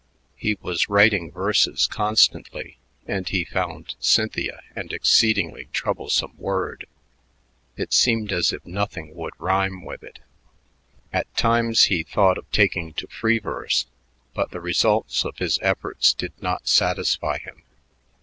He was writing verses constantly and he found "Cynthia" an exceedingly troublesome word; it seemed as if nothing would rime with it. At times he thought of taking to free verse, but the results of his efforts did not satisfy him.